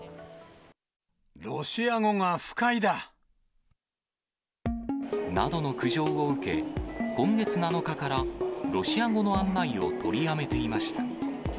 ロシア語が不快だ。などの苦情を受け、今月７日から、ロシア語の案内を取りやめていました。